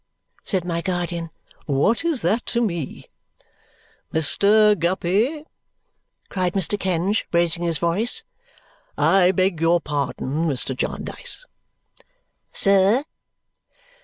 said my guardian. "What is that to me?" "Mr. Guppy!" cried Mr. Kenge, raising his voice. "I beg your pardon, Mr. Jarndyce." "Sir."